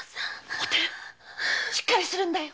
おてるしっかりするんだよ！